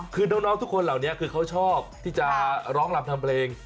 คือน้องทุกคนเหล่านี้คือเขาชอบที่จะร้องรำทำเพลง